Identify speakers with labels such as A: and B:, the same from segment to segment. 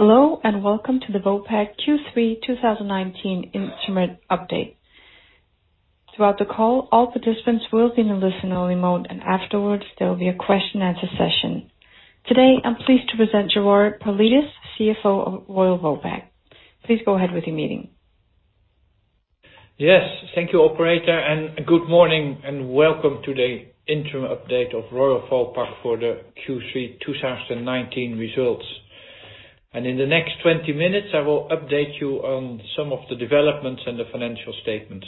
A: Hello, welcome to the Vopak Q3 2019 Interim Update. Throughout the call, all participants will be in listen-only mode, and afterwards there will be a question answer session. Today, I'm pleased to present Gerard Paulides, CFO of Royal Vopak. Please go ahead with the meeting.
B: Yes, thank you, operator, good morning, and welcome to the Interim Update of Royal Vopak for the Q3 2019 results. In the next 20 minutes, I will update you on some of the developments and the financial statements.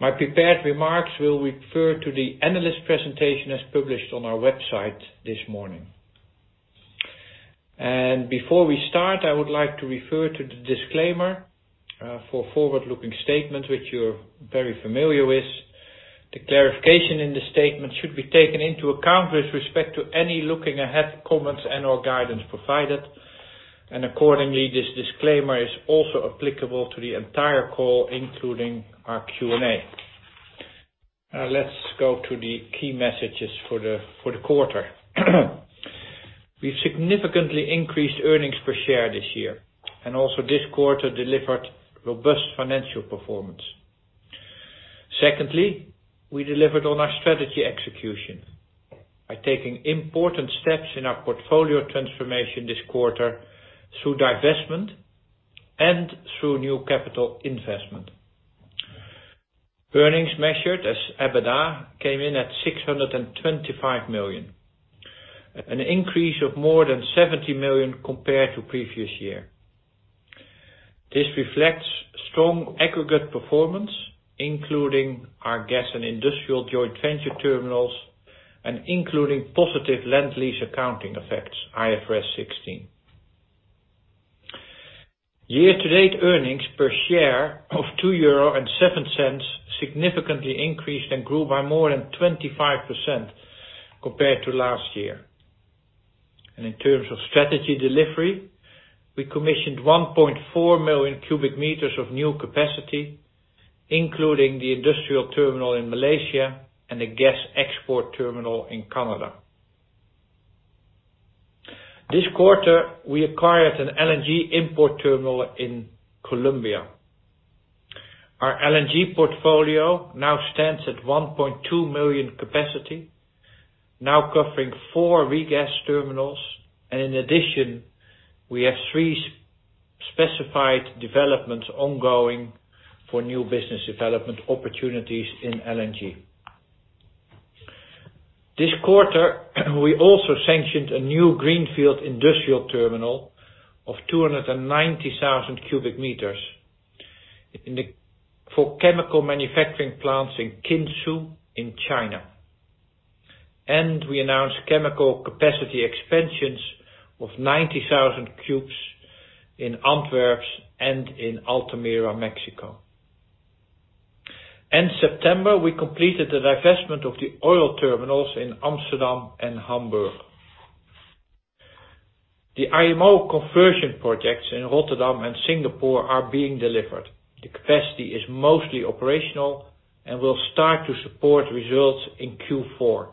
B: My prepared remarks will refer to the analyst presentation as published on our website this morning. Before we start, I would like to refer to the disclaimer for forward-looking statements, which you're very familiar with. The clarification in this statement should be taken into account with respect to any looking ahead comments and/or guidance provided. Accordingly, this disclaimer is also applicable to the entire call, including our Q&A. Let's go to the key messages for the quarter. We've significantly increased earnings per share this year, and also this quarter delivered robust financial performance. We delivered on our strategy execution by taking important steps in our portfolio transformation this quarter through divestment and through new capital investment. Earnings measured as EBITDA came in at 625 million. An increase of more than 70 million compared to previous year. This reflects strong aggregate performance, including our gas and industrial joint venture terminals and including positive lease accounting effects, IFRS 16. Year-to-date earnings per share of 2.07 euro significantly increased and grew by more than 25% compared to last year. In terms of strategy delivery, we commissioned 1.4 million cubic meters of new capacity, including the industrial terminal in Malaysia and a gas export terminal in Canada. This quarter, we acquired an LNG import terminal in Colombia. Our LNG portfolio now stands at 1.2 million capacity, now covering four regas terminals. In addition, we have three specified developments ongoing for new business development opportunities in LNG. This quarter, we also sanctioned a new greenfield industrial terminal of 290,000 cubic meters for chemical manufacturing plants in Qinzhou in China. We announced chemical capacity expansions of 90,000 cubes in Antwerp and in Altamira, Mexico. In September, we completed the divestment of the oil terminals in Amsterdam and Hamburg. The IMO conversion projects in Rotterdam and Singapore are being delivered. The capacity is mostly operational and will start to support results in Q4,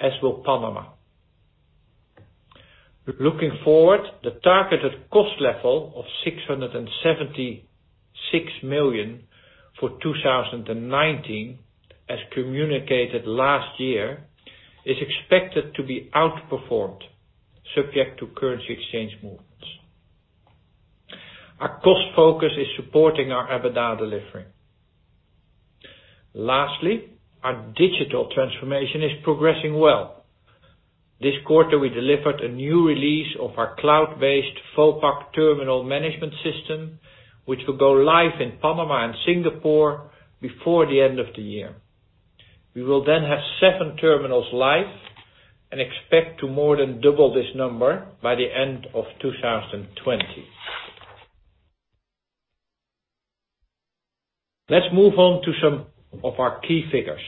B: as will Panama. Looking forward, the targeted cost level of 676 million for 2019, as communicated last year, is expected to be outperformed, subject to currency exchange movements. Our cost focus is supporting our EBITDA delivery. Lastly, our digital transformation is progressing well. This quarter, we delivered a new release of our cloud-based Vopak terminal management system, which will go live in Panama and Singapore before the end of the year. We will have seven terminals live and expect to more than double this number by the end of 2020. Let's move on to some of our key figures.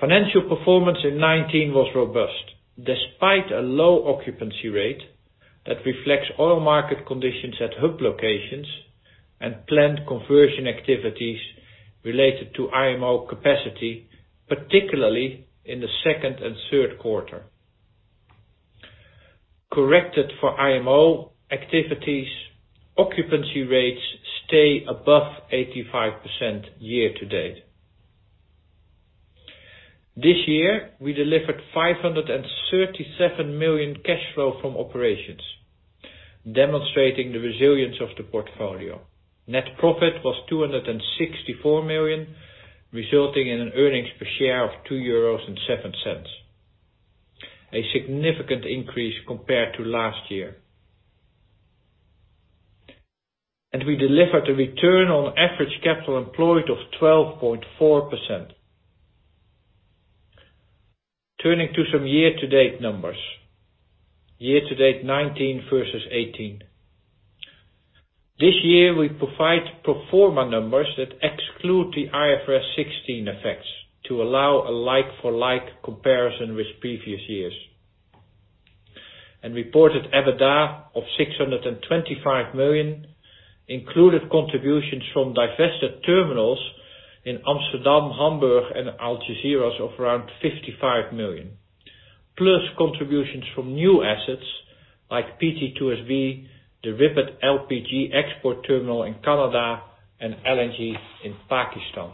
B: Financial performance in 2019 was robust, despite a low occupancy rate that reflects oil market conditions at hub locations and planned conversion activities related to IMO capacity, particularly in the second and third quarter. Corrected for IMO activities, occupancy rates stay above 85% year to date. This year, we delivered 537 million cash flow from operations, demonstrating the resilience of the portfolio. Net profit was 264 million, resulting in an earnings per share of 2.07 euros. A significant increase compared to last year. We delivered a return on average capital employed of 12.4%. Turning to some year-to-date numbers. Year-to-date 2019 versus 2018. This year, we provide pro forma numbers that exclude the IFRS 16 effects to allow a like-for-like comparison with previous years. Reported EBITDA of 625 million. Included contributions from divested terminals in Amsterdam, Hamburg, and Algeciras of around 55 million. Plus contributions from new assets like PT2SB, the Ridley LPG export terminal in Canada, and LNG in Pakistan.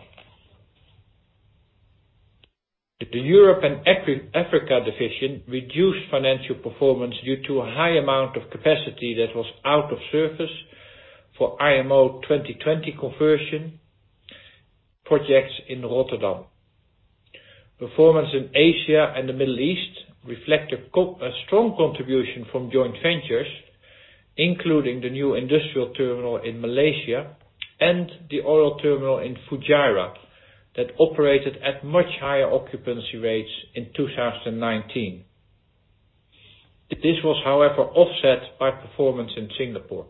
B: The Europe and Africa division reduced financial performance due to a high amount of capacity that was out of service for IMO 2020 conversion projects in Rotterdam. Performance in Asia and the Middle East reflect a strong contribution from joint ventures, including the new industrial terminal in Malaysia and the oil terminal in Fujairah that operated at much higher occupancy rates in 2019. This was, however, offset by performance in Singapore.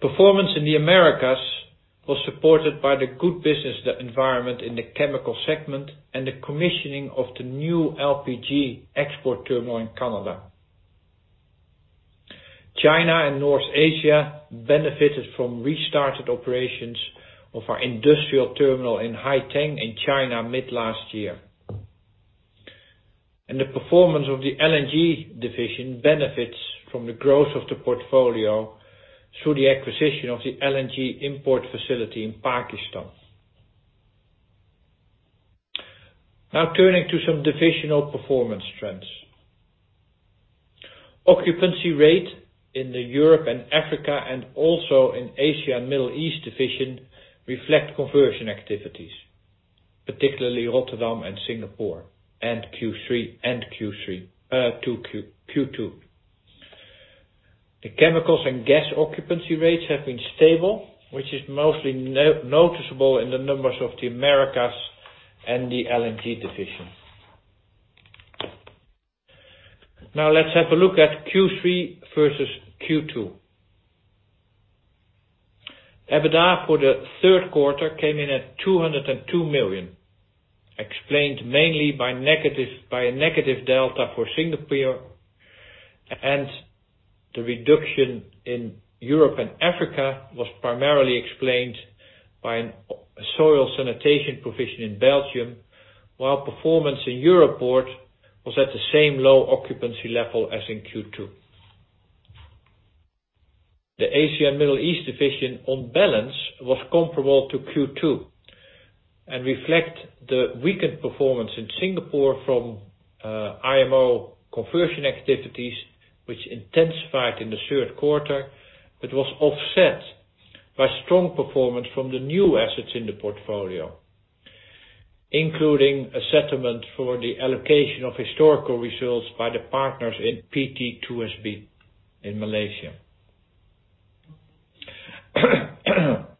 B: Performance in the Americas was supported by the good business environment in the chemical segment and the commissioning of the new LPG export terminal in Canada. China & North Asia benefited from restarted operations of our industrial terminal in Haiteng in China mid last year. The performance of the LNG division benefits from the growth of the portfolio through the acquisition of the LNG import facility in Pakistan. Turning to some divisional performance trends. Occupancy rate in the Europe & Africa and also in Asia & Middle East division reflect conversion activities, particularly Rotterdam and Singapore and Q3 to Q2. The chemicals and gas occupancy rates have been stable, which is mostly noticeable in the numbers of the Americas and the LNG division. Let's have a look at Q3 versus Q2. EBITDA for the third quarter came in at 202 million, explained mainly by a negative delta for Singapore and the reduction in Europe & Africa was primarily explained by a soil remediation provision in Belgium, while performance in Europoort was at the same low occupancy level as in Q2. The Asia & Middle East division on balance was comparable to Q2 and reflect the weakened performance in Singapore from IMO conversion activities, which intensified in the third quarter but was offset by strong performance from the new assets in the portfolio, including a settlement for the allocation of historical results by the partners in PT2SB in Malaysia.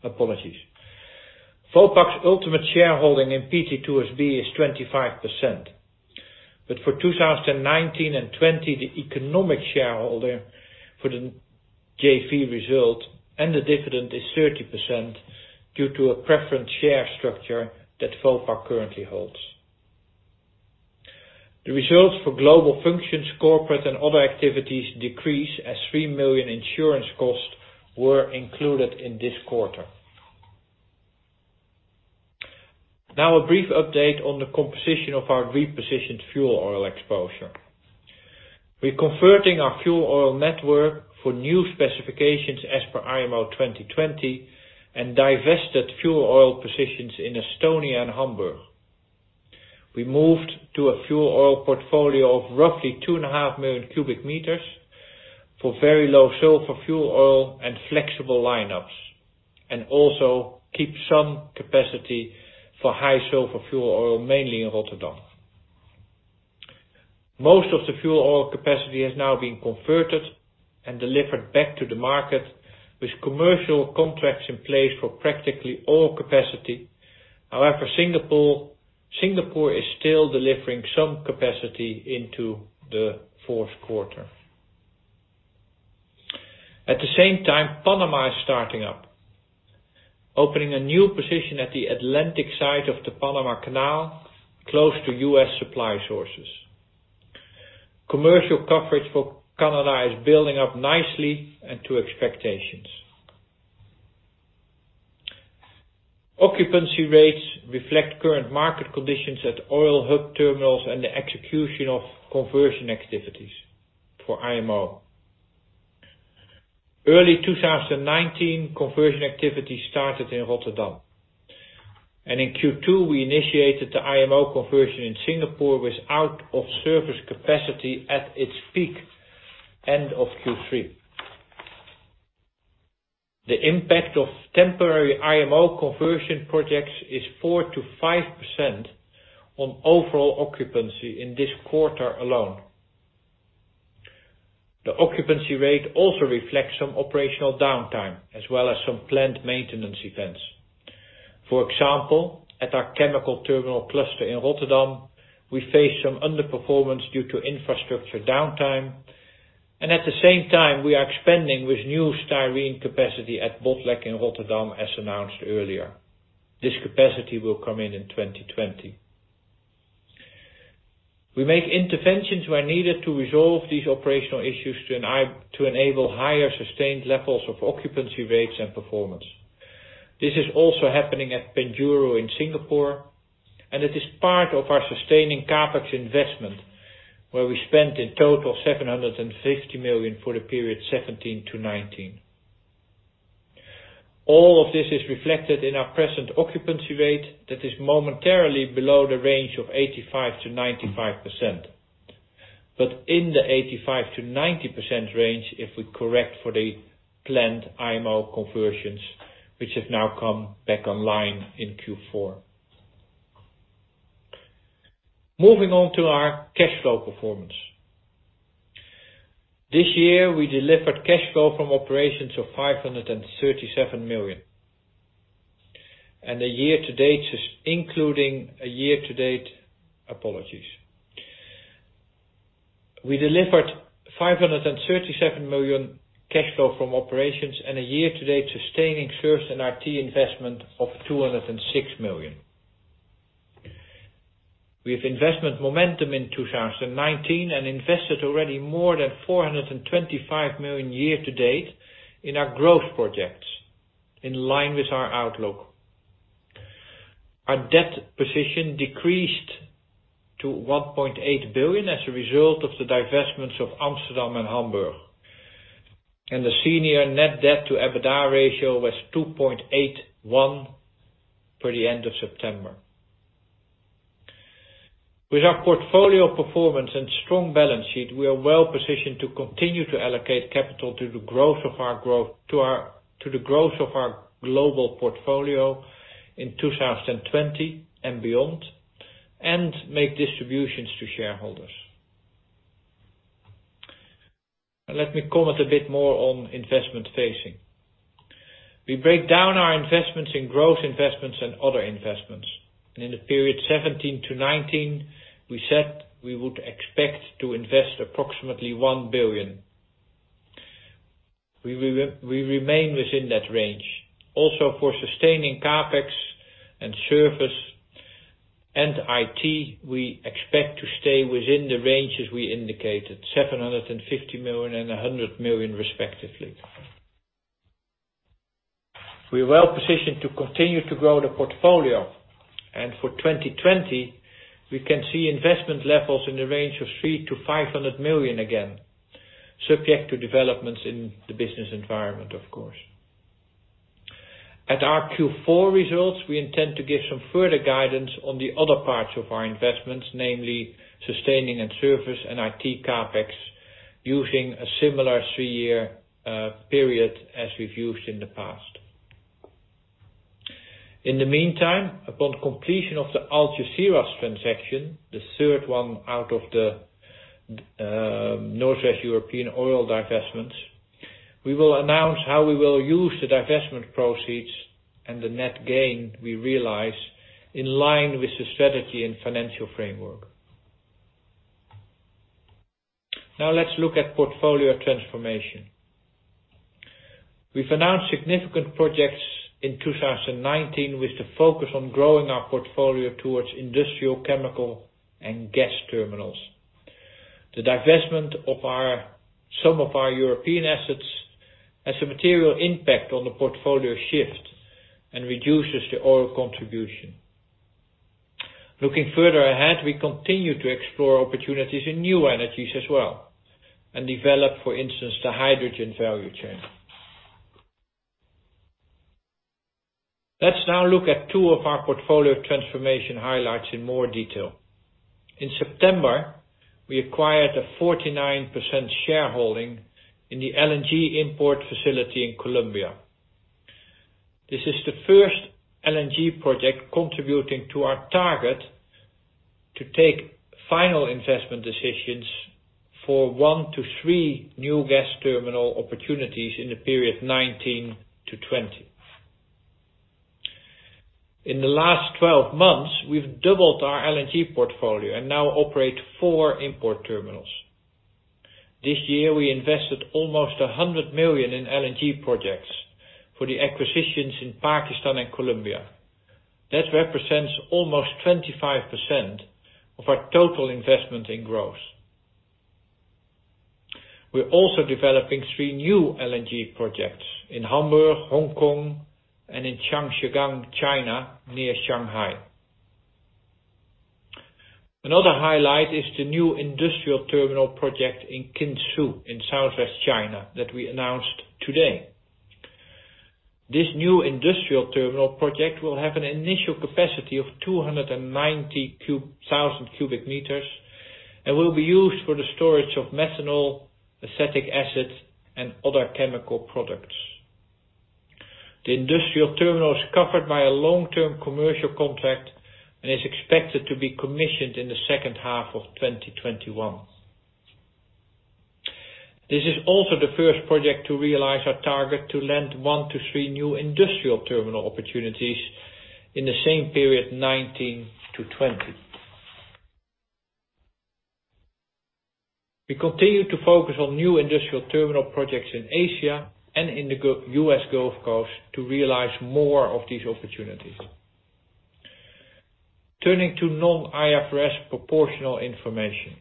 B: Apologies. Vopak's ultimate shareholding in PT2SB is 25%, but for 2019 and 2020, the economic shareholder for the JV result and the dividend is 30% due to a preference share structure that Vopak currently holds. The results for global functions, corporate, and other activities decrease as 3 million insurance costs were included in this quarter. A brief update on the composition of our repositioned fuel oil exposure. We're converting our fuel oil network for new specifications as per IMO 2020 and divested fuel oil positions in Estonia and Hamburg. We moved to a fuel oil portfolio of roughly 2.5 million cubic meters for very low sulfur fuel oil and flexible lineups, and also keep some capacity for high sulfur fuel oil, mainly in Rotterdam. Most of the fuel oil capacity has now been converted and delivered back to the market with commercial contracts in place for practically all capacity. Singapore is still delivering some capacity into the fourth quarter. At the same time, Panama is starting up, opening a new position at the Atlantic side of the Panama Canal close to U.S. supply sources. Commercial coverage for Canada is building up nicely and to expectations. Occupancy rates reflect current market conditions at oil hub terminals and the execution of conversion activities for IMO. Early 2019, conversion activities started in Rotterdam, and in Q2, we initiated the IMO conversion in Singapore with out of service capacity at its peak end of Q3. The impact of temporary IMO conversion projects is 4%-5% on overall occupancy in this quarter alone. The occupancy rate also reflects some operational downtime as well as some planned maintenance events. For example, at our chemical terminal cluster in Rotterdam, we face some underperformance due to infrastructure downtime, and at the same time, we are expanding with new styrene capacity at Botlek in Rotterdam, as announced earlier. This capacity will come in in 2020. We make interventions where needed to resolve these operational issues to enable higher sustained levels of occupancy rates and performance. This is also happening at Penjuru in Singapore, and it is part of our sustaining CapEx investment, where we spent in total 750 million for the period 2017 to 2019. All of this is reflected in our present occupancy rate that is momentarily below the range of 85%-95%. In the 85%-90% range, if we correct for the planned IMO conversions, which have now come back online in Q4. Moving on to our cash flow performance. This year, we delivered cash flow from operations of 537 million. We delivered 537 million cash flow from operations and a year to date sustaining service and IT investment of 206 million. We have investment momentum in 2019 and invested already more than 425 million year to date in our growth projects, in line with our outlook. Our debt position decreased to 1.8 billion as a result of the divestments of Amsterdam and Hamburg. The senior net debt to EBITDA ratio was 2.81 for the end of September. With our portfolio performance and strong balance sheet, we are well positioned to continue to allocate capital to the growth of our global portfolio in 2020 and beyond, and make distributions to shareholders. Let me comment a bit more on investment phasing. We break down our investments in growth investments and other investments. In the period 2017 to 2019, we said we would expect to invest approximately 1 billion. We remain within that range. Also for sustaining CapEx and service and IT, we expect to stay within the ranges we indicated, 750 million and 100 million respectively. We are well positioned to continue to grow the portfolio. For 2020, we can see investment levels in the range of 3 million-500 million again, subject to developments in the business environment, of course. At our Q4 results, we intend to give some further guidance on the other parts of our investments, namely sustaining and service and IT CapEx, using a similar three-year period as we've used in the past. In the meantime, upon completion of the Algeciras transaction, the third one out of the Northwest European oil divestments, we will announce how we will use the divestment proceeds and the net gain we realize in line with the strategy and financial framework. Let's look at portfolio transformation. We've announced significant projects in 2019 with the focus on growing our portfolio towards industrial, chemical, and gas terminals. The divestment of some of our European assets has a material impact on the portfolio shift and reduces the oil contribution. Looking further ahead, we continue to explore opportunities in new energies as well and develop, for instance, the hydrogen value chain. Let's now look at two of our portfolio transformation highlights in more detail. In September, we acquired a 49% shareholding in the LNG import facility in Colombia. This is the first LNG project contributing to our target to take final investment decisions for one to three new gas terminal opportunities in the period 2019 to 2020. In the last 12 months, we've doubled our LNG portfolio and now operate four import terminals. This year, we invested almost 100 million in LNG projects for the acquisitions in Pakistan and Colombia. That represents almost 25% of our total investment in growth. We're also developing three new LNG projects in Hamburg, Hong Kong and in Zhangjiagang, China, near Shanghai. Another highlight is the new industrial terminal project in Jinzhou in southwest China that we announced today. This new industrial terminal project will have an initial capacity of 290,000 cubic meters and will be used for the storage of methanol, acetic acid, and other chemical products. The industrial terminal is covered by a long-term commercial contract and is expected to be commissioned in the second half of 2021. This is also the first project to realize our target to land one to three new industrial terminal opportunities in the same period, 2019 to 2020. We continue to focus on new industrial terminal projects in Asia and in the U.S. Gulf Coast to realize more of these opportunities. Turning to non-IFRS proportional information.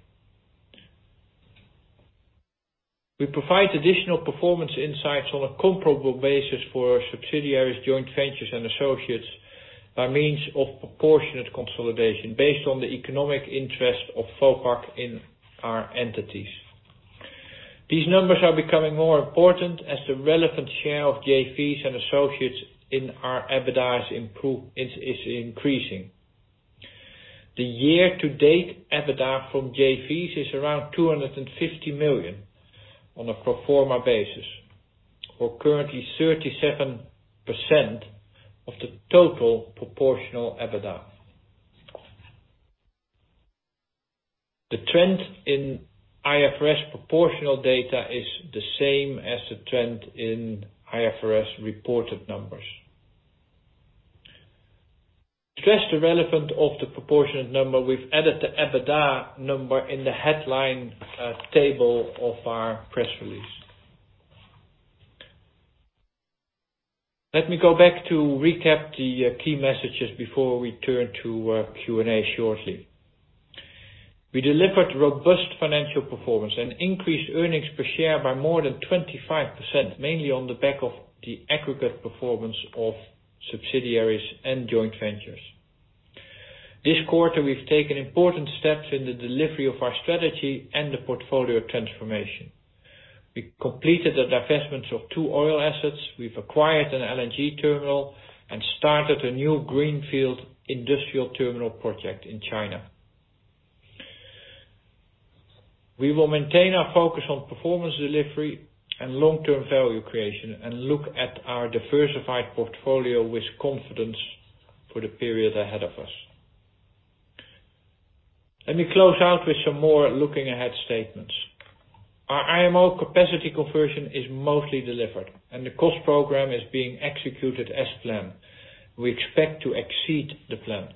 B: We provide additional performance insights on a comparable basis for subsidiaries, joint ventures, and associates by means of proportionate consolidation based on the economic interest of Vopak in our entities. These numbers are becoming more important as the relevant share of JVs and associates in our EBITDA is increasing. The year-to-date EBITDA from JVs is around 250 million on a pro forma basis, or currently 37% of the total proportional EBITDA. The trend in IFRS proportional data is the same as the trend in IFRS reported numbers. To stress the relevance of the proportionate number, we've added the EBITDA number in the headline table of our press release. Let me go back to recap the key messages before we turn to Q&A shortly. We delivered robust financial performance and increased earnings per share by more than 25%, mainly on the back of the aggregate performance of subsidiaries and joint ventures. This quarter, we've taken important steps in the delivery of our strategy and the portfolio transformation. We completed the divestment of two oil assets, we've acquired an LNG terminal, and started a new greenfield industrial terminal project in China. We will maintain our focus on performance delivery and long-term value creation and look at our diversified portfolio with confidence for the period ahead of us. Let me close out with some more looking ahead statements. Our IMO capacity conversion is mostly delivered, and the cost program is being executed as planned. We expect to exceed the plan.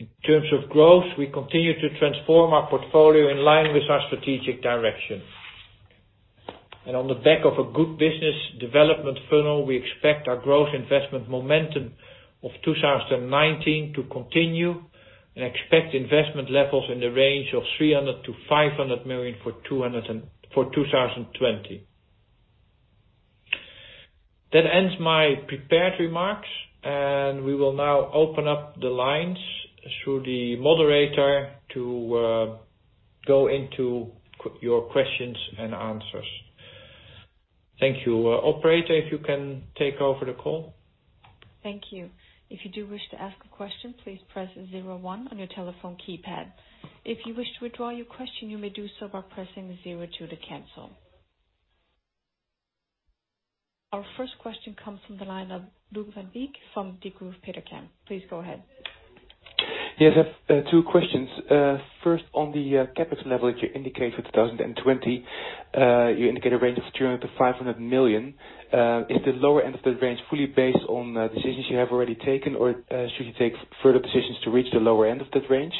B: In terms of growth, we continue to transform our portfolio in line with our strategic direction. On the back of a good business development funnel, we expect our growth investment momentum of 2019 to continue, and expect investment levels in the range of 300 million-500 million for 2020. That ends my prepared remarks, and we will now open up the lines through the moderator to go into your questions and answers. Thank you. Operator, if you can take over the call.
A: Thank you. If you do wish to ask a question, please press 01 on your telephone keypad. If you wish to withdraw your question, you may do so by pressing 02 to cancel. Our first question comes from the line of Luuk van Beek from Degroof Petercam. Please go ahead.
C: Yes. I have two questions. First, on the CapEx level that you indicate for 2020. You indicate a range of 300 million-500 million. Is the lower end of that range fully based on decisions you have already taken, or should you take further decisions to reach the lower end of that range?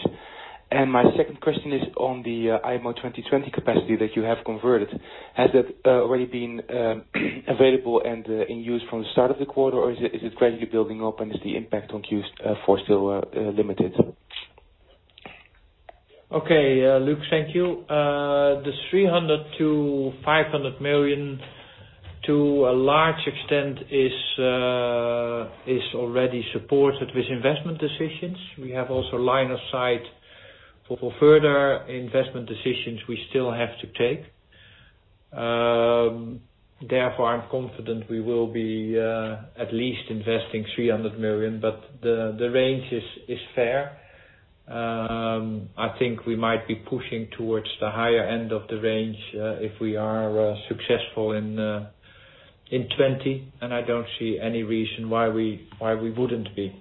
C: My second question is on the IMO 2020 capacity that you have converted. Has that already been available and in use from the start of the quarter, or is it gradually building up and is the impact on Q4 still limited?
B: Okay. Luuk, thank you. The 300 million-500 million to a large extent is already supported with investment decisions. We have also line of sight for further investment decisions we still have to take. Therefore, I'm confident we will be at least investing 300 million, but the range is fair. I think we might be pushing towards the higher end of the range, if we are successful in 2020, and I don't see any reason why we wouldn't be.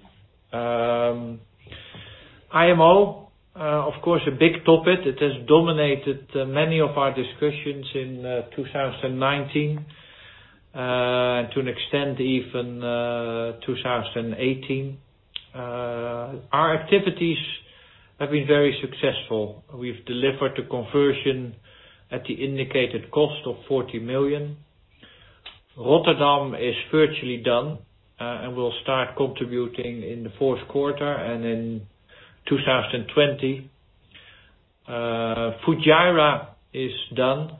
B: IMO, of course, a big topic. It has dominated many of our discussions in 2019, and to an extent, even 2018. Our activities have been very successful. We've delivered the conversion at the indicated cost of 40 million. Rotterdam is virtually done, and will start contributing in the fourth quarter and in 2020. Fujairah is done,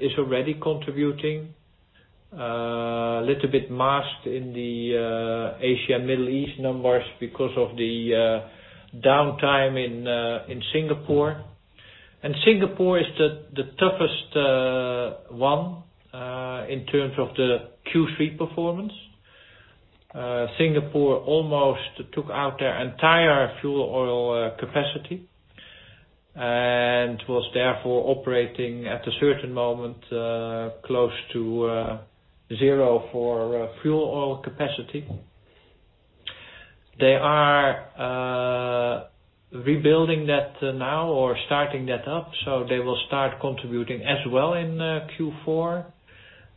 B: is already contributing. A little bit masked in the Asia & Middle East numbers because of the downtime in Singapore. Singapore is the toughest one, in terms of the Q3 performance. Singapore almost took out their entire fuel oil capacity, and was therefore operating at a certain moment, close to zero for fuel oil capacity. They are rebuilding that now or starting that up, so they will start contributing as well in Q4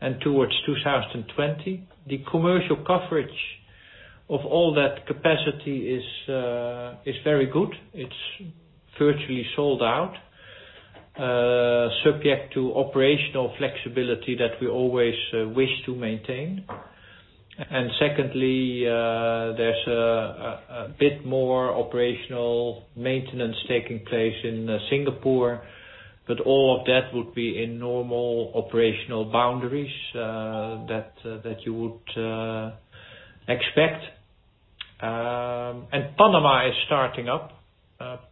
B: and towards 2020. The commercial coverage of all that capacity is very good. It's virtually sold out, subject to operational flexibility that we always wish to maintain. Secondly, there's a bit more operational maintenance taking place in Singapore, but all of that would be in normal operational boundaries that you would expect. Panama is starting up.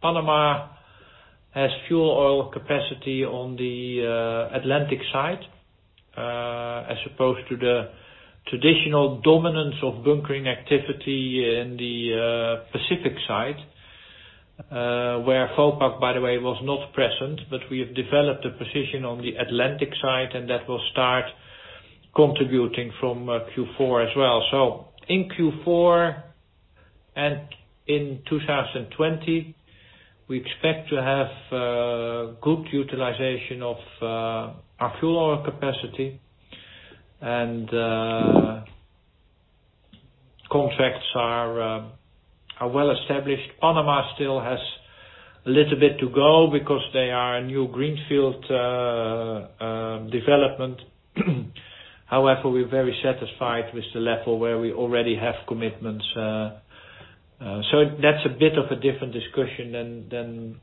B: Panama has fuel oil capacity on the Atlantic side, as opposed to the traditional dominance of bunkering activity in the Pacific side, where Vopak, by the way, was not present. We have developed a position on the Atlantic side, and that will start contributing from Q4 as well. In Q4 and in 2020, we expect to have good utilization of our fuel oil capacity, and contracts are well-established. Panama still has a little bit to go because they are a new greenfield development. However, we're very satisfied with the level where we already have commitments. That's a bit of a different discussion than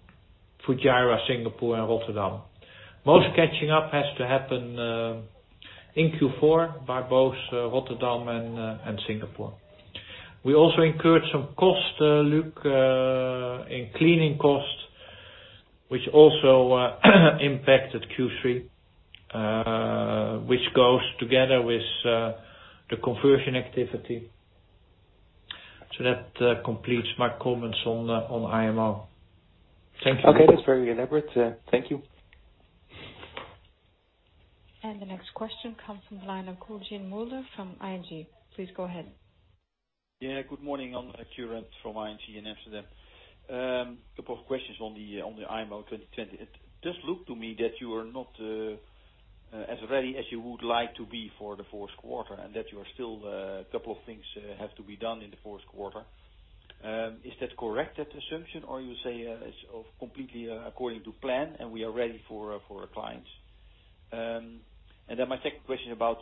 B: Fujairah, Singapore, and Rotterdam. Most catching up has to happen in Q4 by both Rotterdam and Singapore. We also incurred some costs, Luuk, in cleaning costs, which also impacted Q3, which goes together with the conversion activity. That completes my comments on IMO. Thank you.
C: Okay. That's very elaborate. Thank you.
A: The next question comes from the line of Quirijn Mulder from ING. Please go ahead.
D: Yeah, good morning. Quirijn from ING in Amsterdam. A couple of questions on the IMO 2020. It does look to me that you are not as ready as you would like to be for the fourth quarter, and that you are still a couple of things have to be done in the fourth quarter. Is that correct, that assumption? Or you say it's completely according to plan, and we are ready for our clients? My second question about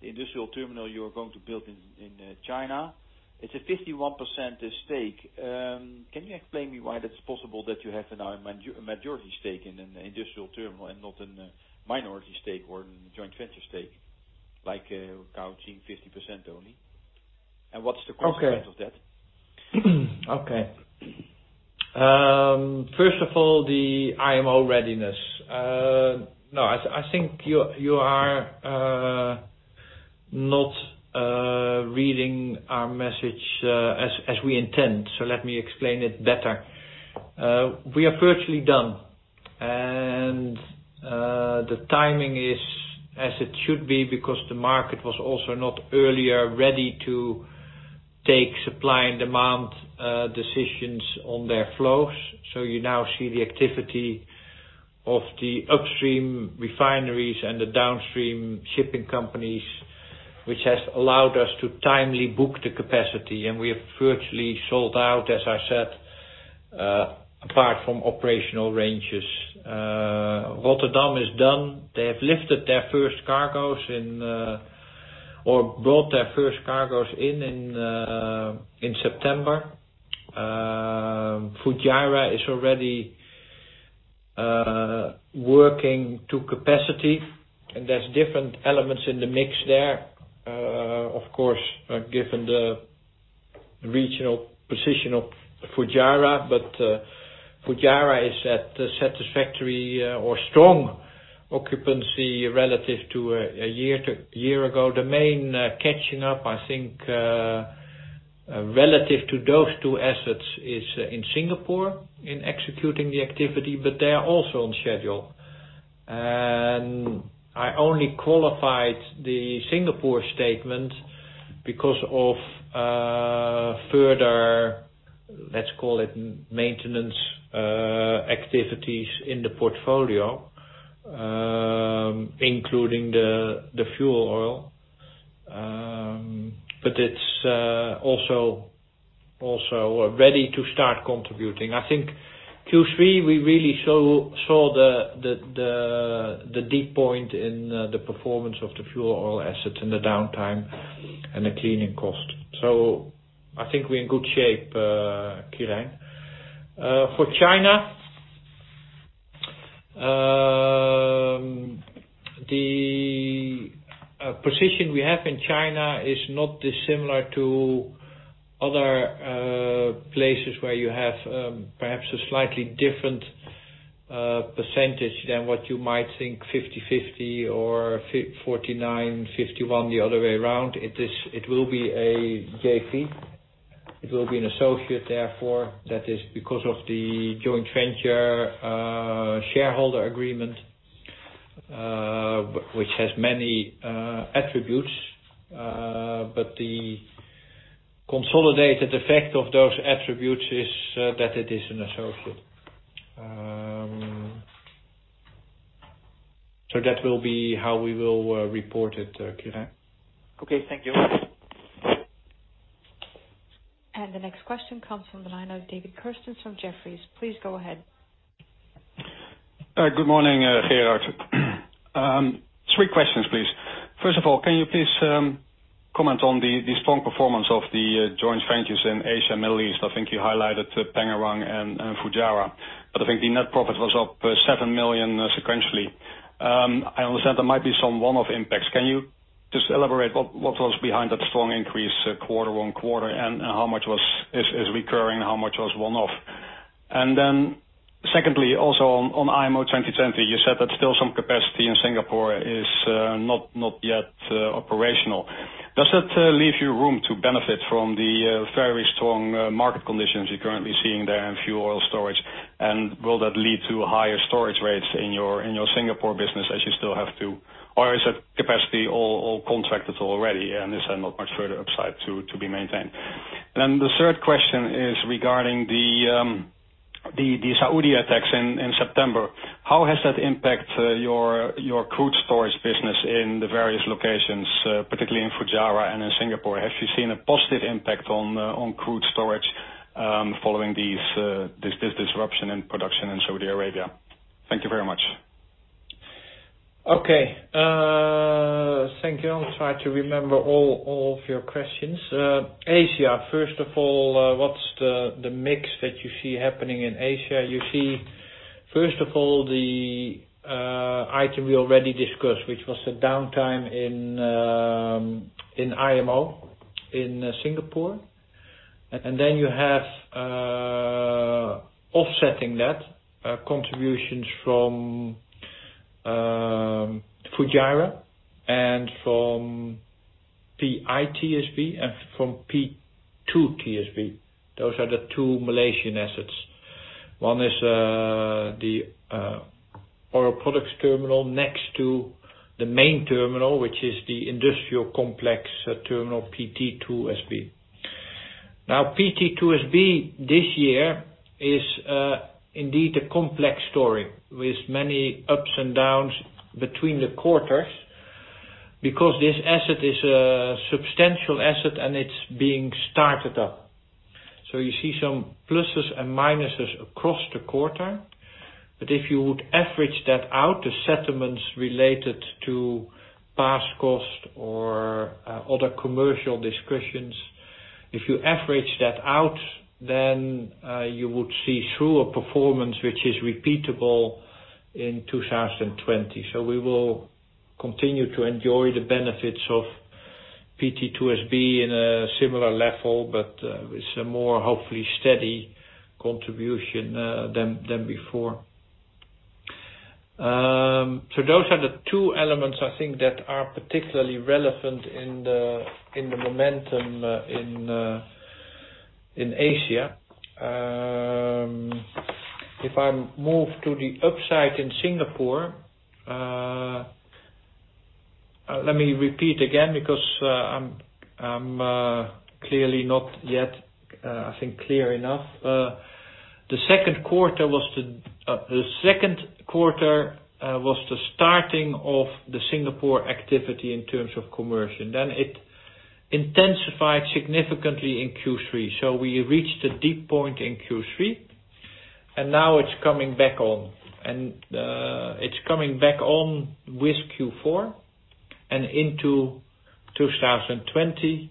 D: the industrial terminal you are going to build in China. It's a 51% stake. Can you explain to me why that's possible that you have now a majority stake in an industrial terminal and not a minority stake or joint venture stake, like Caojing 50% only? What's the consequence of that?
B: Okay. First of all, the IMO readiness. I think you are not reading our message as we intend. Let me explain it better. We are virtually done, and the timing is as it should be because the market was also not earlier ready to take supply and demand decisions on their flows. You now see the activity of the upstream refineries and the downstream shipping companies, which has allowed us to timely book the capacity. We have virtually sold out, as I said, apart from operational ranges. Rotterdam is done. They have lifted their first cargos or brought their first cargos in in September. Fujairah is already working to capacity, and there's different elements in the mix there. Of course, given the regional position of Fujairah. Fujairah is at satisfactory or strong occupancy relative to a year ago. The main catching up, I think, relative to those two assets is in Singapore in executing the activity, but they are also on schedule. I only qualified the Singapore statement because of further, let's call it, maintenance activities in the portfolio, including the fuel oil. It's also ready to start contributing. I think Q3, we really saw the deep point in the performance of the fuel oil assets and the downtime and the cleaning cost. I think we're in good shape, Quirijn. For China, the position we have in China is not dissimilar to other places where you have perhaps a slightly different percentage than what you might think, 50/50 or 49, 51 the other way around. It will be a JV. It will be an associate, therefore. That is because of the joint venture shareholder agreement, which has many attributes. The consolidated effect of those attributes is that it is an associate. That will be how we will report it, Quirijn.
A: Okay, thank you. The next question comes from the line of David Kerstens from Jefferies. Please go ahead.
E: Good morning, Gerard. Three questions, please. First of all, can you please comment on the strong performance of the joint ventures in Asia & Middle East? I think you highlighted Pengerang and Fujairah, but I think the net profit was up seven million sequentially. I understand there might be some one-off impacts. Can you just elaborate what was behind that strong increase quarter on quarter, and how much is recurring and how much was one-off? Secondly, also on IMO 2020, you said that still some capacity in Singapore is not yet operational. Does that leave you room to benefit from the very strong market conditions you're currently seeing there in fuel oil storage? Will that lead to higher storage rates in your Singapore business as you still have to, or is that capacity all contracted already and is there not much further upside to be maintained? The third question is regarding the Saudi attacks in September. How has that impact your crude storage business in the various locations, particularly in Fujairah and in Singapore? Have you seen a positive impact on crude storage following this disruption in production in Saudi Arabia? Thank you very much.
B: Okay. Thank you. I'll try to remember all of your questions. Asia, first of all, what's the mix that you see happening in Asia? First of all, the item we already discussed, which was the downtime in IMO in Singapore. Then you have offsetting that, contributions from Fujairah and from PITSB and from PT2SB. Those are the two Malaysian assets. One is the oil products terminal next to the main terminal, which is the industrial complex terminal, PT2SB. PT2SB this year is indeed a complex story with many ups and downs between the quarters because this asset is a substantial asset and it's being started up. You see some pluses and minuses across the quarter. If you would average that out, the settlements related to past cost or other commercial discussions. If you average that out, you would see through a performance which is repeatable in 2020. We will continue to enjoy the benefits of PT2SB in a similar level, but with some more, hopefully steady contribution than before. Those are the two elements I think that are particularly relevant in the momentum in Asia. If I move to the upside in Singapore. Let me repeat again because I'm clearly not yet, I think, clear enough. The second quarter was the starting of the Singapore activity in terms of conversion. It intensified significantly in Q3. We reached a deep point in Q3, and now it's coming back on. It's coming back on with Q4 and into 2020.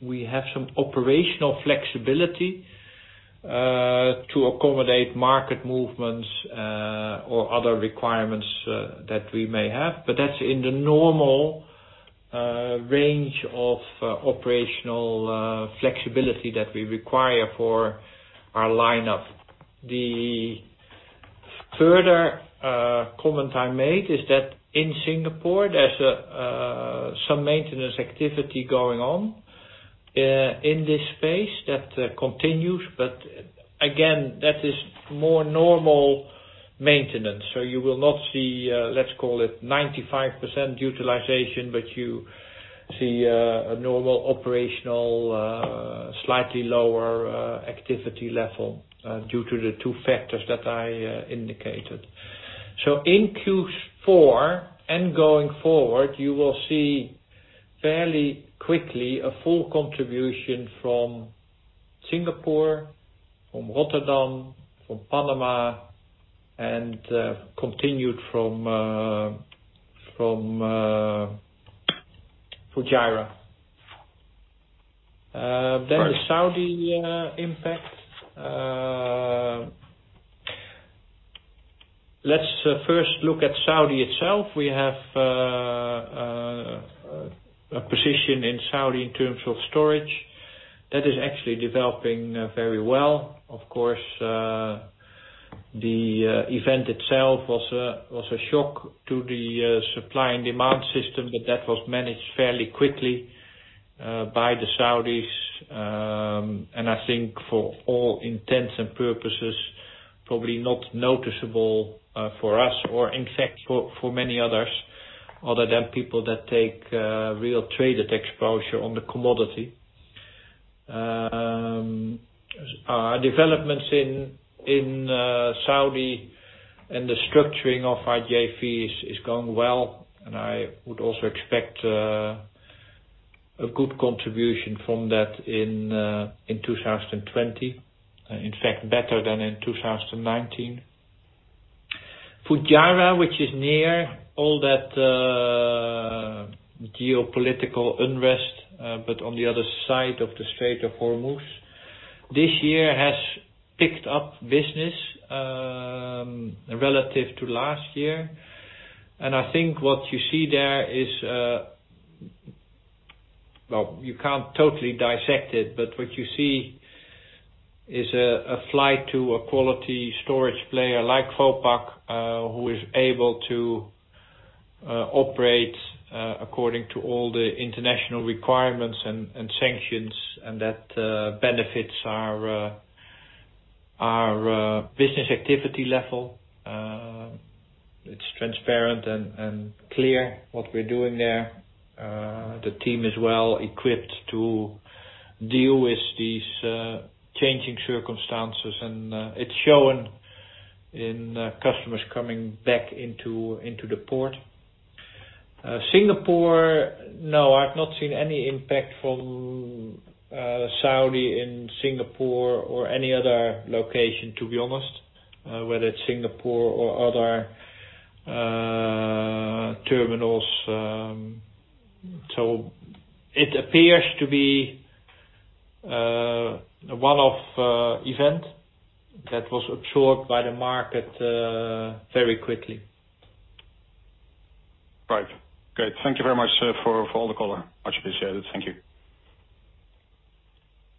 B: We have some operational flexibility to accommodate market movements or other requirements that we may have, but that's in the normal range of operational flexibility that we require for our lineup. The further comment I made is that in Singapore, there's some maintenance activity going on in this space that continues. Again, that is more normal maintenance. You will not see, let's call it 95% utilization, but you see a normal operational, slightly lower activity level due to the two factors that I indicated. In Q4 and going forward, you will see fairly quickly a full contribution from Singapore, from Rotterdam, from Panama, and continued from Fujairah. The Saudi impact. Let's first look at Saudi itself. We have a position in Saudi in terms of storage. That is actually developing very well. The event itself was a shock to the supply and demand system, that was managed fairly quickly by the Saudis. I think for all intents and purposes, probably not noticeable for us or in fact for many others other than people that take real traded exposure on the commodity. Our developments in Saudi and the structuring of our JVs is going well, and I would also expect a good contribution from that in 2020. In fact, better than in 2019. Fujairah, which is near all that geopolitical unrest, but on the other side of the Strait of Hormuz, this year has picked up business relative to last year. I think what you see there is, well, you can't totally dissect it, but what you see is a flight to a quality storage player like Vopak, who is able to operate according to all the international requirements and sanctions, and that benefits our business activity level. It's transparent and clear what we're doing there. The team is well-equipped to deal with these changing circumstances, and it's shown in customers coming back into the port. Singapore, no, I've not seen any impact from Saudi in Singapore or any other location, to be honest, whether it's Singapore or other terminals. It appears to be a one-off event that was absorbed by the market very quickly.
E: Right. Good. Thank you very much for all the color. Much appreciated. Thank you.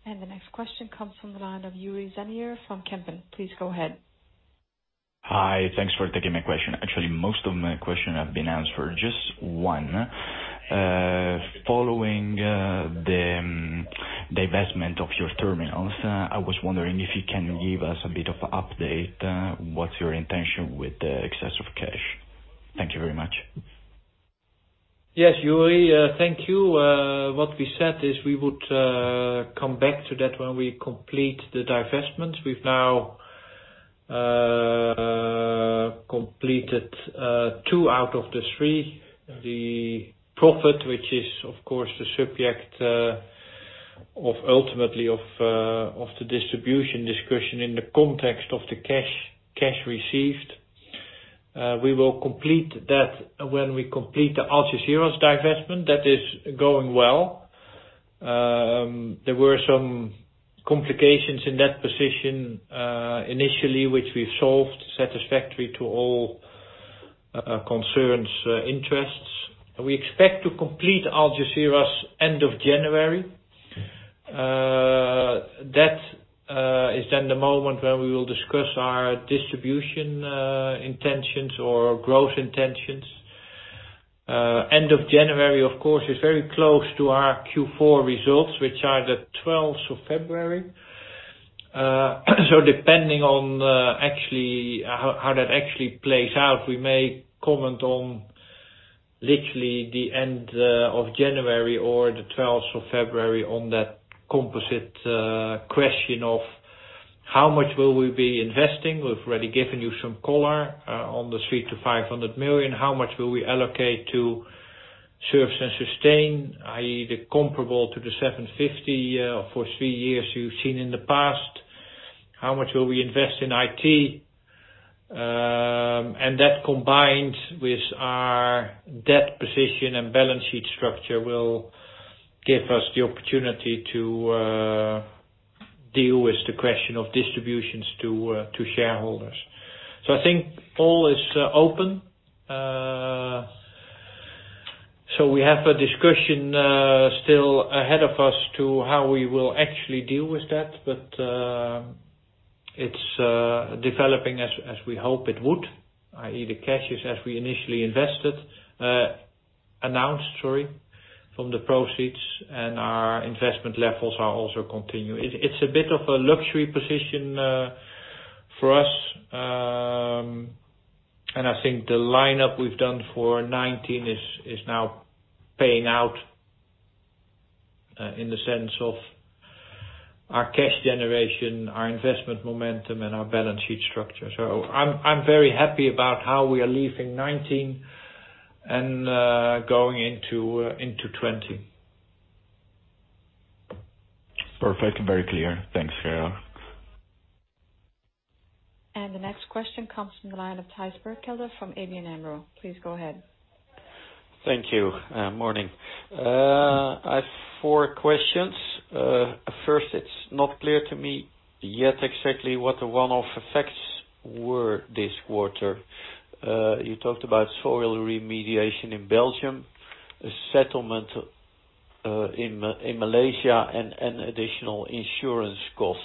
A: The next question comes from the line of Uri Zenir from Kempen. Please go ahead.
F: Hi. Thanks for taking my question. Actually, most of my questions have been answered. Just one. Following the divestment of your terminals, I was wondering if you can give us a bit of update. What's your intention with the excess of cash? Thank you very much.
B: Yes, Uri. Thank you. What we said is we would come back to that when we complete the divestments. We've now completed 2 out of the 3. The profit, which is of course the subject of the distribution discussion in the context of the cash received. We will complete that when we complete the Algeciras divestment. That is going well. There were some complications in that position initially, which we've solved satisfactory to all concerns, interests. We expect to complete Algeciras end of January. That is then the moment when we will discuss our distribution intentions or growth intentions. End of January, of course, is very close to our Q4 results, which are the 12th of February. Depending on how that actually plays out, we may comment on literally the end of January or the 12th of February on that composite question of how much will we be investing. We've already given you some color on the 3 million-500 million. How much will we allocate to service and sustain, i.e., the comparable to the 750 for three years you've seen in the past? How much will we invest in IT? That combined with our debt position and balance sheet structure will give us the opportunity to deal with the question of distributions to shareholders. I think all is open. We have a discussion still ahead of us to how we will actually deal with that. It's developing as we hope it would, i.e., the cash is as we initially invested, announced, sorry, from the proceeds, and our investment levels are also continuing. It's a bit of a luxury position for us. I think the lineup we've done for 2019 is now paying out in the sense of our cash generation, our investment momentum, and our balance sheet structure. I'm very happy about how we are leaving 2019 and going into 2020.
F: Perfect. Very clear. Thanks.
A: The next question comes from the line of Thijs Berkelder from ABN AMRO. Please go ahead.
G: Thank you. Morning. I have four questions. First, it's not clear to me yet exactly what the one-off effects were this quarter. You talked about soil remediation in Belgium, a settlement in Malaysia, and additional insurance costs.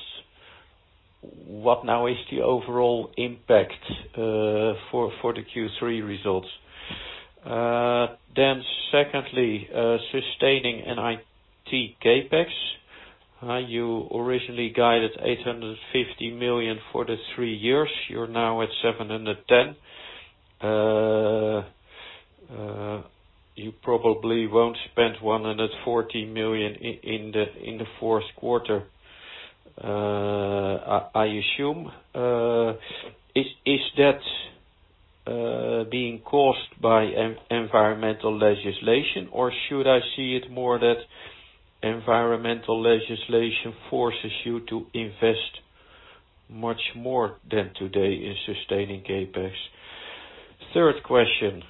G: What now is the overall impact for the Q3 results? Secondly, sustaining and IT CapEx. You originally guided 850 million for the three years. You're now at 710. You probably won't spend 140 million in the fourth quarter, I assume. Is that being caused by environmental legislation, or should I see it more that environmental legislation forces you to invest much more than today in sustaining CapEx? Third question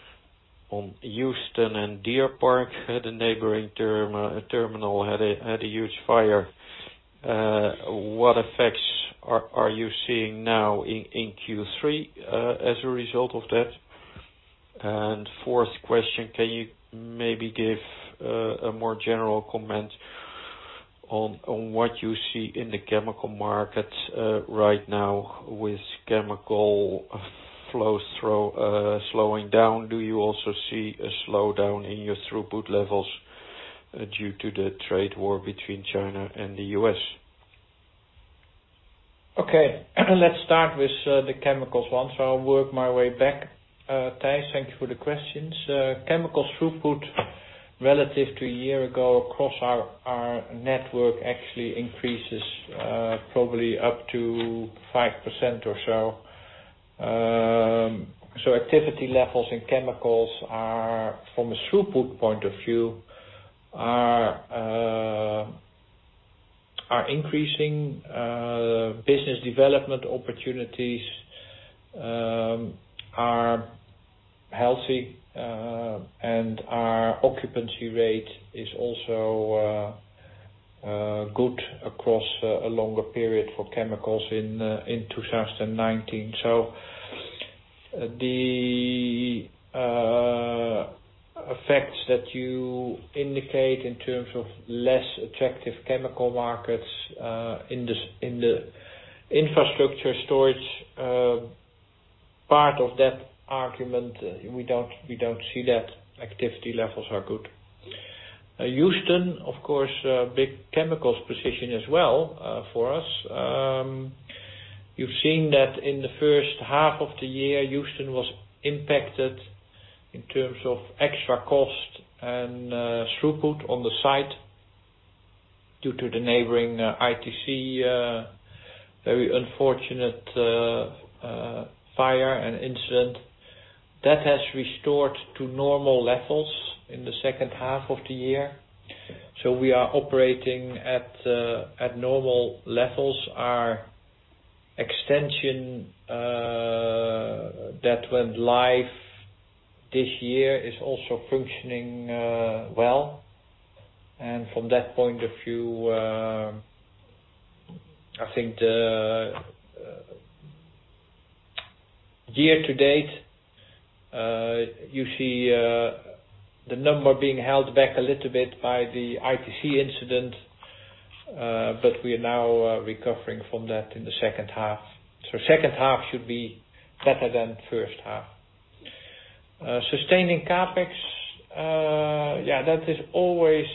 G: on Houston and Deer Park, the neighboring terminal had a huge fire. What effects are you seeing now in Q3 as a result of that? Fourth question, can you maybe give a more general comment on what you see in the chemical market right now with chemical flows slowing down? Do you also see a slowdown in your throughput levels due to the trade war between China and the U.S.?
B: Let's start with the chemicals one. I'll work my way back. Thijs, thank you for the questions. Chemical throughput relative to a year ago across our network actually increases probably up to 5% or so. Activity levels in chemicals are, from a throughput point of view, are increasing. Business development opportunities are healthy. Our occupancy rate is also good across a longer period for chemicals in 2019. The effects that you indicate in terms of less attractive chemical markets, in the infrastructure storage part of that argument, we don't see that. Activity levels are good. Houston, of course, a big chemicals position as well for us. You've seen that in the first half of the year, Houston was impacted in terms of extra cost and throughput on the site due to the neighboring ITC. Very unfortunate fire and incident. That has restored to normal levels in the second half of the year. We are operating at normal levels. Our extension that went live this year is also functioning well. From that point of view, I think the year to date, you see the number being held back a little bit by the ITC incident, but we are now recovering from that in the second half. The second half should be better than first half. Sustaining CapEx. That is always,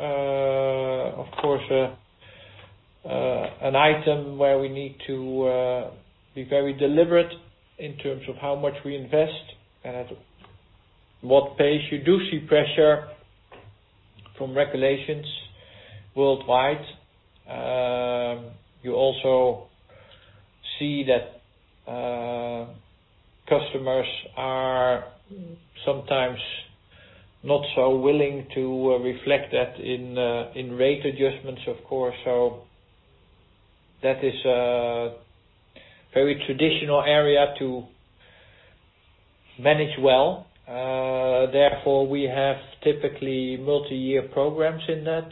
B: of course, an item where we need to be very deliberate in terms of how much we invest, at what pace. You do see pressure from regulations worldwide. You also see that customers are sometimes not so willing to reflect that in rate adjustments, of course. That is a very traditional area to manage well. Therefore, we have typically multi-year programs in that.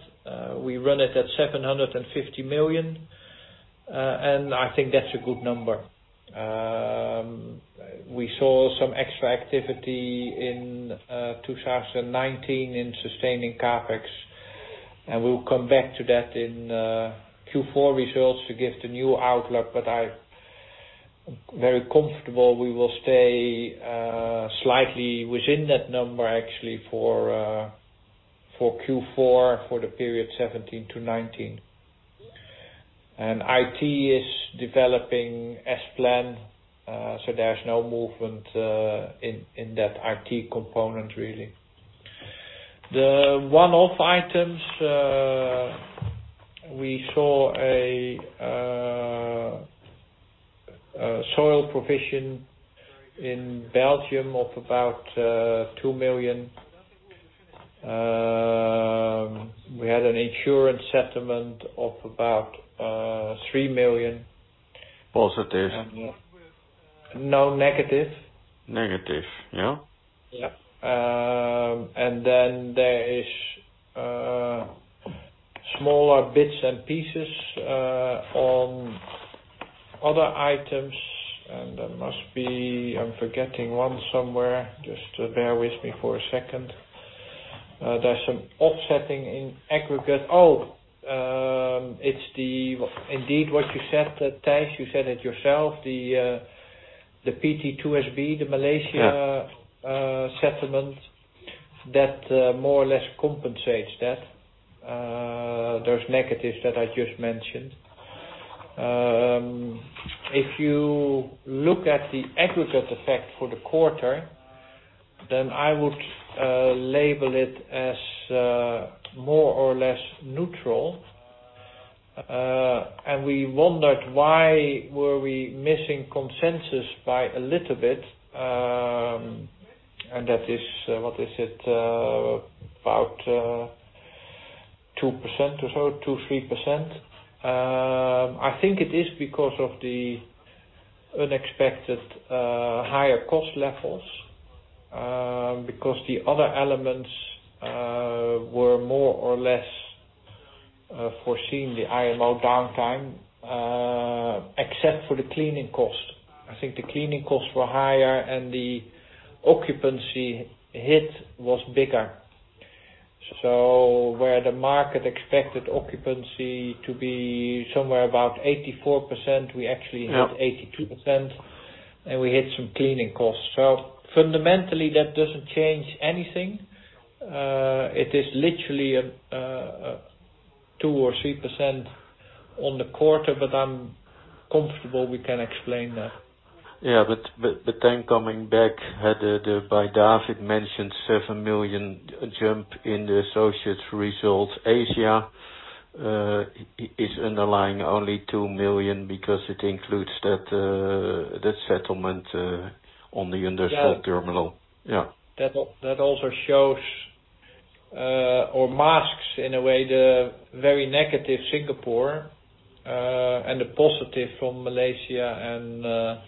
B: We run it at 750 million. I think that's a good number. We saw some extra activity in 2019 in sustaining CapEx. We'll come back to that in Q4 results to give the new outlook. I'm very comfortable we will stay slightly within that number actually for Q4, for the period 2017 to 2019. IT is developing as planned, so there's no movement in that IT component really. The one-off items, we saw a soil provision in Belgium of about 2 million. We had an insurance settlement of about EUR 3 million.
G: Positives.
B: No, negative.
G: Negative. Yeah.
B: Yeah. There is smaller bits and pieces on other items, and there must be, I'm forgetting one somewhere. Just bear with me for a second. There's some offsetting in aggregate. Oh, it's indeed what you said, Thijs, you said it yourself, the PT2SB, the Malaysia settlement that more or less compensates that. Those negatives that I just mentioned. If you look at the aggregate effect for the quarter, then I would label it as more or less neutral. We wondered why were we missing consensus by a little bit. That is, what is it? About 2% or so, 2%, 3%. I think it is because of the unexpected higher cost levels. Because the other elements were more or less foreseen, the IMO downtime, except for the cleaning cost. I think the cleaning costs were higher, and the occupancy hit was bigger. Where the market expected occupancy to be somewhere about 84%, we actually hit 82%, and we hit some cleaning costs. Fundamentally, that doesn't change anything. It is literally a 2% or 3% on the quarter, but I'm comfortable we can explain that.
G: Yeah. Coming back by David mentioned 7 million jump in the associates results. Asia is underlying only 2 million because it includes that settlement on the undersold terminal. Yeah.
B: That also shows or masks, in a way, the very negative Singapore and the positive from Malaysia and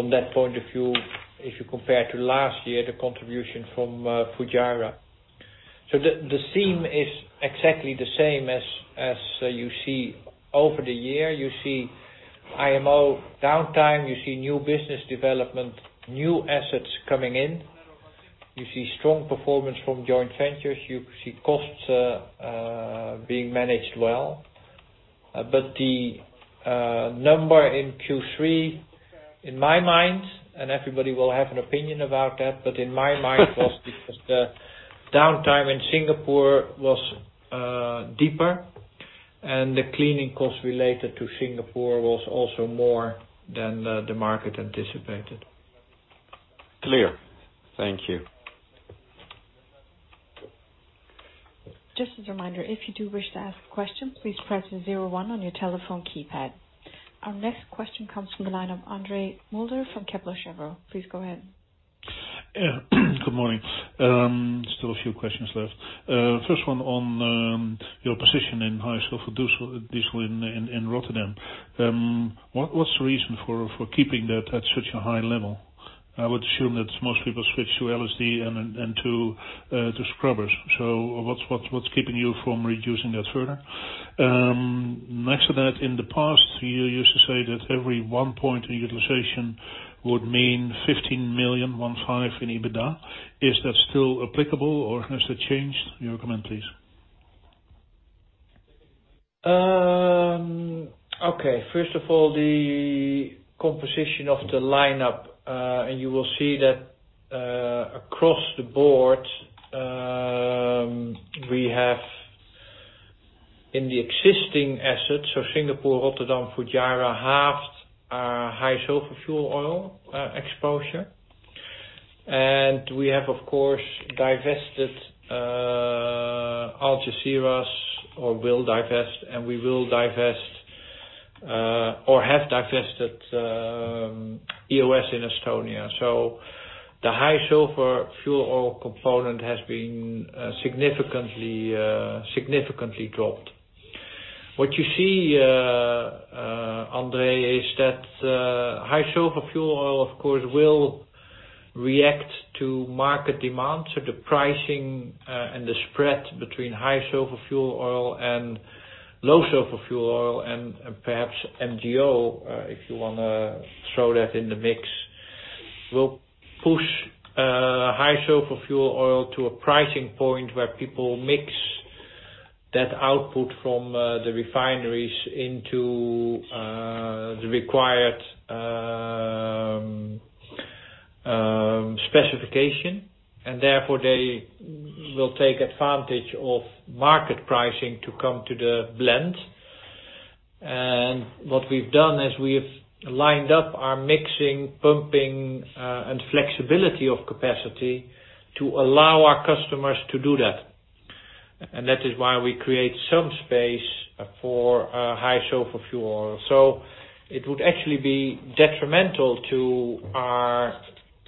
B: from that point of view, if you compare to last year, the contribution from Fujairah. The theme is exactly the same as you see over the year. You see IMO downtime, you see new business development, new assets coming in. You see strong performance from joint ventures. You see costs being managed well. The number in Q3, in my mind, and everybody will have an opinion about that. In my mind, was because the downtime in Singapore was deeper and the cleaning costs related to Singapore was also more than the market anticipated.
G: Clear. Thank you.
A: Just as a reminder, if you do wish to ask questions, please press zero one on your telephone keypad. Our next question comes from the line of Andre Mulder from Kepler Cheuvreux. Please go ahead.
H: Good morning. Still a few questions left. First one on your position in high sulfur diesel in Rotterdam. What's the reason for keeping that at such a high level? I would assume that most people switch to LSFO and to scrubbers. What's keeping you from reducing that further? Next to that, in the past, you used to say that every one point in utilization would mean 15 million in EBITDA. Is that still applicable or has that changed? Your comment, please.
B: First of all, the composition of the lineup. You will see that across the board, we have in the existing assets, so Singapore, Rotterdam, Fujairah, halved our high sulfur fuel oil exposure. We have, of course, divested Algeciras or will divest, and we will divest or have divested E.O.S. in Estonia. The high sulfur fuel oil component has been significantly dropped. What you see, Andre, is that high sulfur fuel oil, of course, will react to market demand. The pricing and the spread between high sulfur fuel oil and low sulfur fuel oil and perhaps MGO, if you want to throw that in the mix, will push high sulfur fuel oil to a pricing point where people mix that output from the refineries into the required specification, and therefore they will take advantage of market pricing to come to the blend. What we've done is we've lined up our mixing, pumping, and flexibility of capacity to allow our customers to do that. That is why we create some space for high sulfur fuel oil. It would actually be detrimental to our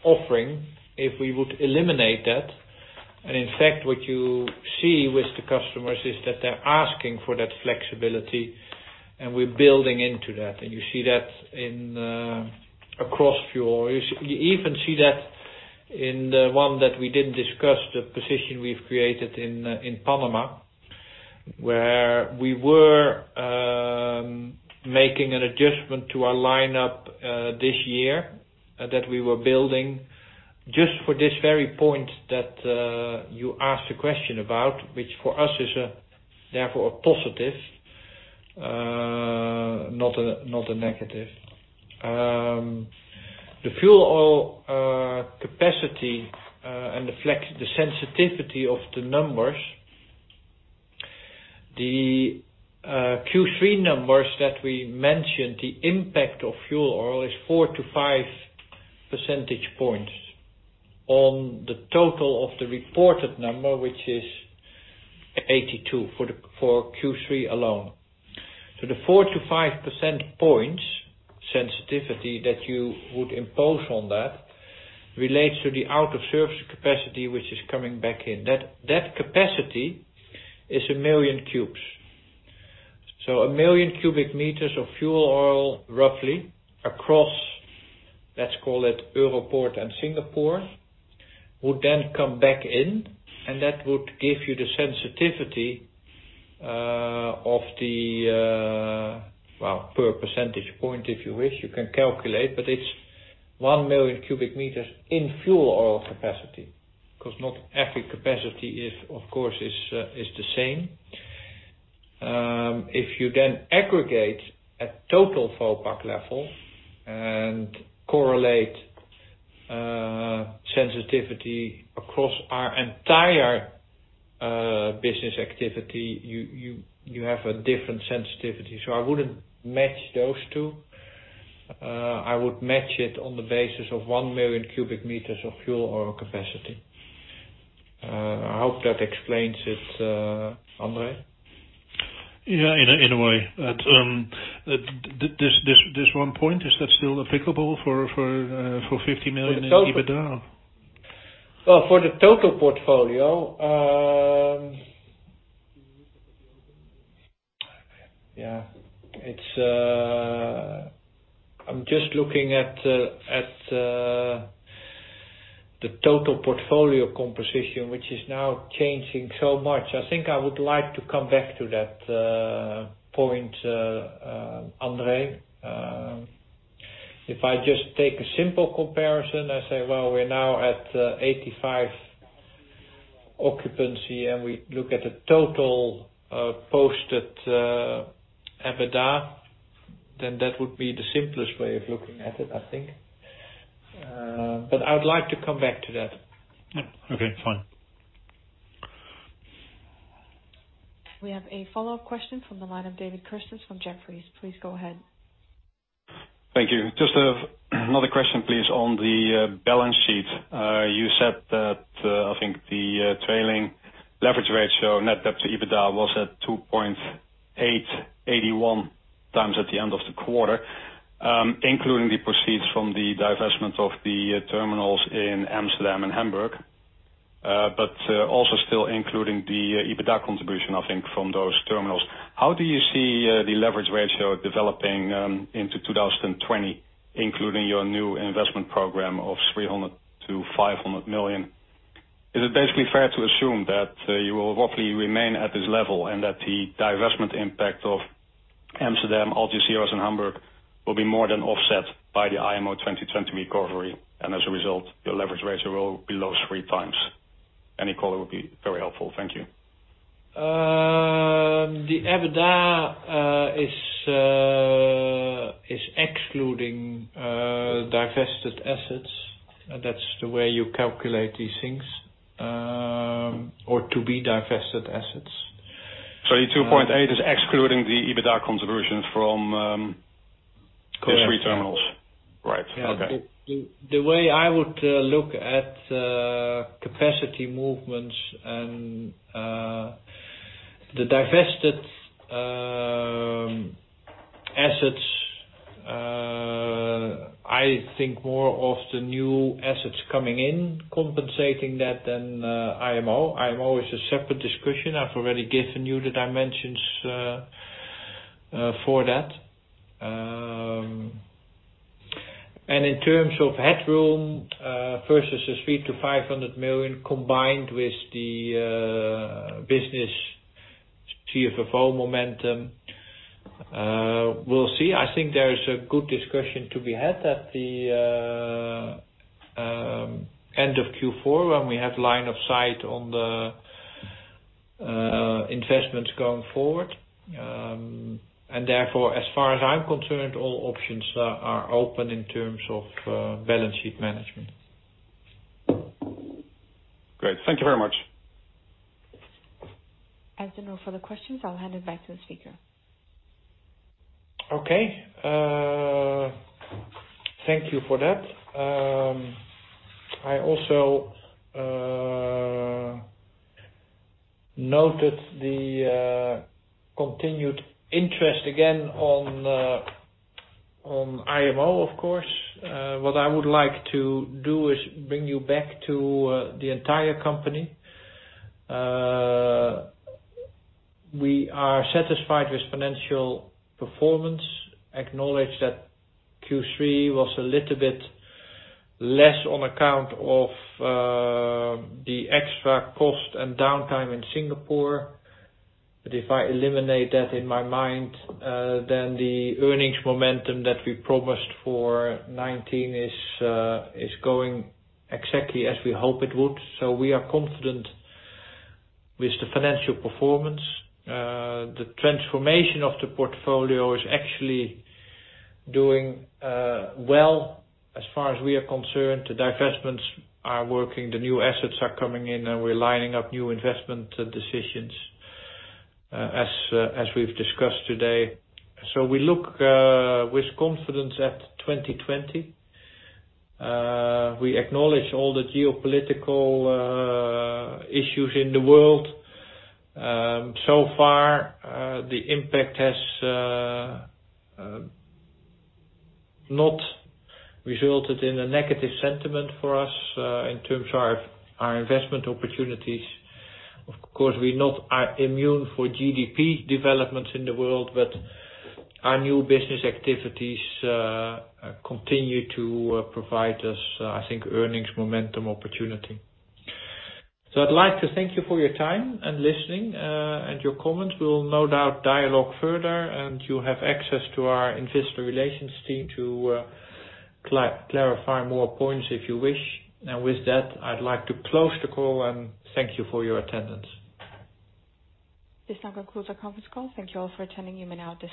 B: offering if we would eliminate that. In fact, what you see with the customers is that they're asking for that flexibility, and we're building into that. You see that across fuel. You even see that in the one that we didn't discuss, the position we've created in Panama, where we were making an adjustment to our lineup this year that we were building just for this very point that you asked a question about, which for us is therefore a positive, not a negative. The fuel oil capacity. The sensitivity of the numbers. The Q3 numbers that we mentioned, the impact of fuel oil is four to five percentage points on the total of the reported number, which is 82 for Q3 alone. The four to five percentage points sensitivity that you would impose on that relates to the out of service capacity, which is coming back in. That capacity is 1 million cubes. 1 million cubic meters of fuel oil roughly across, let's call it Europoort and Singapore, would then come back in, and that would give you the sensitivity of the Well, per percentage point, if you wish, you can calculate, but it's 1 million cubic meters in fuel oil capacity, because not every capacity, of course, is the same. If you then aggregate at total Vopak level and correlate sensitivity across our entire business activity, you have a different sensitivity. I wouldn't match those two. I would match it on the basis of 1 million cubic meters of fuel oil capacity. I hope that explains it, Andre.
H: Yeah, in a way. This one point, is that still applicable for 50 million in EBITDA?
B: For the total portfolio, I'm just looking at the total portfolio composition, which is now changing so much. I think I would like to come back to that point, Andre. If I just take a simple comparison, I say, well, we're now at 85 occupancy and we look at the total posted EBITDA, that would be the simplest way of looking at it, I think. I would like to come back to that.
H: Okay, fine.
A: We have a follow-up question from the line of David Kerstens from Jefferies. Please go ahead.
E: Thank you. Just another question, please, on the balance sheet. You said that, I think, the trailing leverage ratio, net debt to EBITDA, was at 2.881 times at the end of the quarter, including the proceeds from the divestment of the terminals in Amsterdam and Hamburg, but also still including the EBITDA contribution, I think, from those terminals. How do you see the leverage ratio developing into 2020, including your new investment program of 300 million to 500 million? Is it basically fair to assume that you will roughly remain at this level and that the divestment impact of Amsterdam, Algeciras, and Hamburg will be more than offset by the IMO 2020 recovery, and as a result, your leverage ratio will be below three times? Any color would be very helpful. Thank you.
B: The EBITDA is excluding divested assets or to be divested assets. That's the way you calculate these things.
E: Your 2.8 is excluding the EBITDA contributions from-
B: Correct
E: those three terminals. Right. Okay.
B: The way I would look at capacity movements and the divested assets, I think more of the new assets coming in compensating that than IMO. IMO is a separate discussion. I've already given you the dimensions for that. In terms of headroom versus the 300 million-500 million combined with the business CFFO momentum, we'll see. I think there's a good discussion to be had at the end of Q4 when we have line of sight on the investments going forward. Therefore, as far as I'm concerned, all options are open in terms of balance sheet management.
E: Great. Thank you very much.
A: As there are no further questions, I'll hand it back to the speaker.
B: Okay. Thank you for that. I also noted the continued interest again on IMO, of course. What I would like to do is bring you back to the entire company. We are satisfied with financial performance, acknowledge that Q3 was a little bit less on account of the extra cost and downtime in Singapore. If I eliminate that in my mind, then the earnings momentum that we promised for 2019 is going exactly as we hope it would. We are confident with the financial performance. The transformation of the portfolio is actually doing well as far as we are concerned. The divestments are working, the new assets are coming in, and we're lining up new investment decisions, as we've discussed today. We look with confidence at 2020. We acknowledge all the geopolitical issues in the world. So far, the impact has not resulted in a negative sentiment for us in terms of our investment opportunities. Of course, we're not immune for GDP developments in the world, but our new business activities continue to provide us, I think, earnings momentum opportunity. I'd like to thank you for your time and listening, and your comments. We'll no doubt dialogue further, and you have access to our investor relations team to clarify more points if you wish. With that, I'd like to close the call and thank you for your attendance.
A: This now concludes our conference call. Thank you all for attending. You may now disconnect.